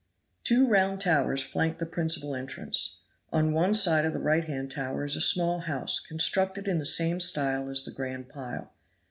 Two round towers flank the principal entrance. On one side of the right hand tower is a small house constructed in the same style as the grand pile.